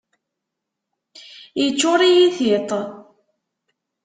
Iččuṛ-iyi tiṭ.